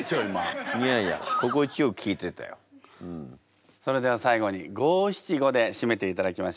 いやいやそれでは最後に五・七・五でしめていただきましょう。